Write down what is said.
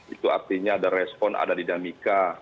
itu artinya ada respon ada dinamika